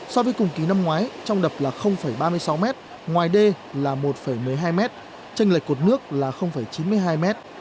so với cùng kỳ năm ngoái trong đập là ba mươi sáu mét ngoài đê là một một mươi hai m tranh lệch cột nước là chín mươi hai m